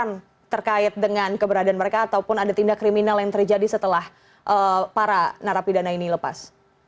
apakah terkait dengan keberadaan mereka ataupun ada tindak kriminal yang terjadi setelah para narapidana ini lepas